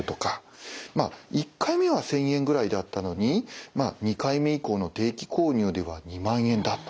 １回目は１，０００円ぐらいだったのに２回目以降の定期購入では２万円だったと。